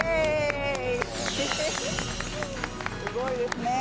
すごいですね。